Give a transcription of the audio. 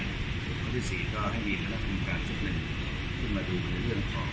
แล้วก็ที่สี่ก็ให้มีนักธรรมการศึกลึกขึ้นมาดูในเรื่องของ